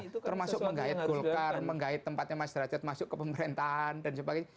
termasuk menggait golkar menggait tempatnya mas derajat masuk ke pemerintahan dan sebagainya